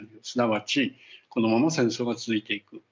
すなわちこのまま戦争が続いていく。